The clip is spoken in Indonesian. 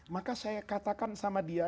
maka saya katakan sama dia